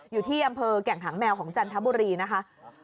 อยู่ที่อำเภอแก่งหางแมวของจันทบุรีนะคะ